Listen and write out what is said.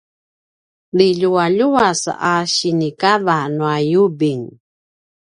liljualjuas a sinikava nua yubing